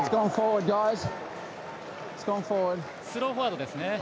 スローフォワードですね。